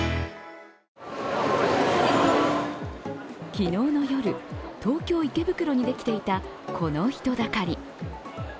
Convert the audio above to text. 昨日の夜、東京・池袋にできていた、この人だかり。